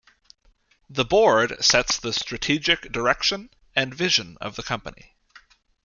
The Board sets the strategic direction and vision of the company.